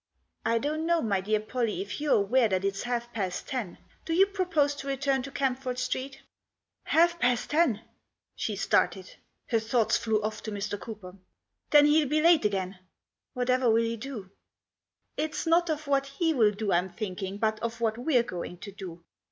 I don't know, my dear Pollie, if you're aware that it's past half past ten. Do you propose to return to Camford Street?" MAX LANDER. 77 " Past half past ten !" She started. Her thoughts flew off to Mr. Cooper. " Then he'll be late again I Whatever will he do ?"" It's not of what he'll do I'm thinking, but of what we're going to do.